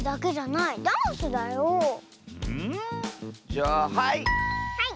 じゃあはい！